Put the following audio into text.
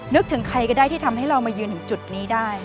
นึกถึงใครก็ได้ที่ทำให้เรามายืนถึงจุดนี้ได้